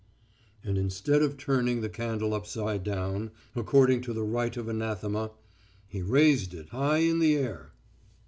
And instead of turning the candle upside down, according to the rite of anathema, he raised it high in the air.